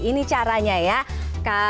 ini caranya ya